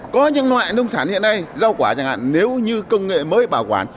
có những loại nông sản hiện nay rau quả chẳng hạn nếu như công nghệ mới bảo quản